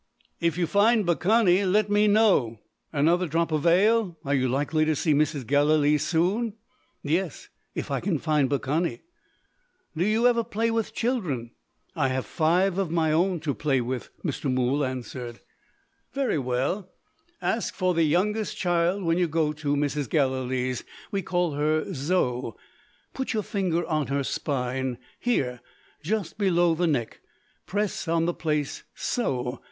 "If you find Baccani let me know. Another drop of ale? Are you likely to see Mrs. Gallilee soon?" "Yes if I find Baccani." "Do you ever play with children?" "I have five of my own to play with," Mr. Mool answered. "Very well. Ask for the youngest child when you go to Mrs. Gallilee's. We call her Zo. Put your finger on her spine here, just below the neck. Press on the place so.